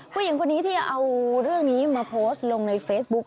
ผู้หญิงคนนี้ที่เอาเรื่องนี้มาโพสต์ลงในเฟซบุ๊ก